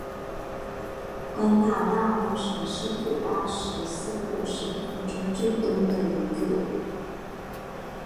关塔那摩省是古巴十四个省份中最东的一个。